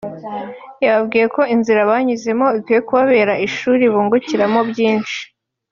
yababwiye ko inzira banyuzemo ikwiye kubabera ishuri bungukiramo byinshi